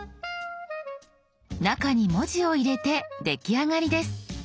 中に文字を入れて出来上がりです。